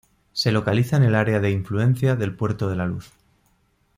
Se localiza en el área de influencia del Puerto de La Luz.